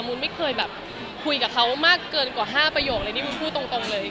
มุนไม่เคยแบบคุยกับเขามากเกินกว่า๕ประโยคเลยนี่วุ้นพูดตรงเลย